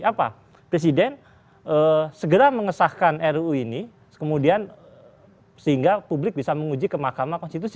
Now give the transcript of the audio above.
apa presiden segera mengesahkan ruu ini kemudian sehingga publik bisa menguji ke mahkamah konstitusi